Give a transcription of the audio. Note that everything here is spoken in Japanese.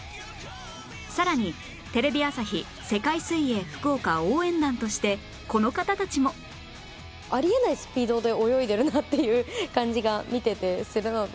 さらにテレビ朝日世界水泳福岡応援団としてこの方たちも！あり得ないスピードで泳いでるなっていう感じが見ててするので。